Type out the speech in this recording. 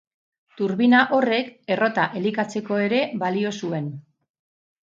Turbina horrek errota elikatzeko ere balio zuen.